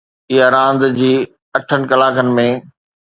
اها راند جي اٺن ڪلاڪن ۾